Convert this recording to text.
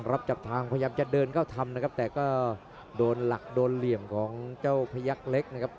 รับจับทางพยายามจะเดินเข้าทำนะครับแต่ก็โดนหลักโดนเหลี่ยมของเจ้าพยักษ์เล็กนะครับ